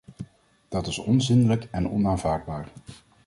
Dat is onzindelijk en onaanvaardbaar.